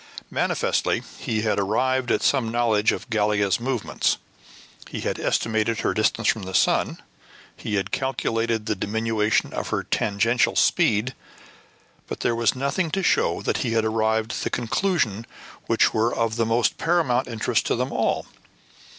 Manifestly, he had arrived at some knowledge of Gallia's movements: he had estimated her distance from the sun; he had calculated the diminution of her tangential speed; but there was nothing to show that he had arrived at the conclusions which were of the most paramount interest to them all.